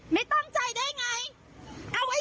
ไม่ตั้งใจได้ไงเอาไอ้มาถูงเนี่ย๒ราบแล้ว